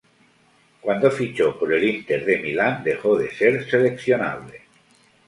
Cuando fichó por el Inter de Milán, dejó de ser seleccionable.